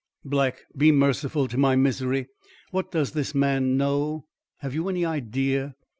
"Black, be merciful to my misery. What does this man know? Have you any idea?"